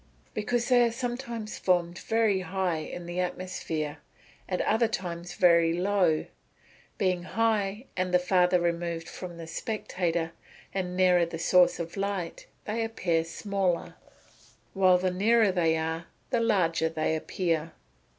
_ Because they are sometimes formed very high in the atmosphere, at other times very low. Being high, and farther removed from the spectator, and nearer the source of light, they appear smaller; while the nearer they are, the larger they appear.